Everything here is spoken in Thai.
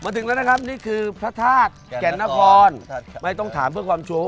ถึงแล้วนะครับนี่คือพระธาตุแก่นนครไม่ต้องถามเพื่อความชัว